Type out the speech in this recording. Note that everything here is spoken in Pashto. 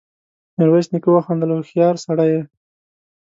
ميرويس نيکه وخندل: هوښيار سړی يې!